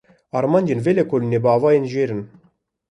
Armancên vê vekolînê bi awayên jêr in: